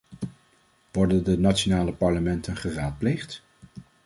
Worden de nationale parlementen geraadpleegd?